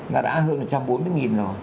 nó đã hơn một trăm bốn mươi rồi